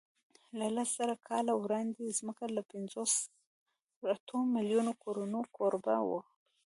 له لسزره کاله وړاندې ځمکه له پینځو تر اتو میلیونو کورونو کوربه وه.